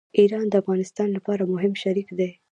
ایران د افغانستان لپاره مهم شریک دی.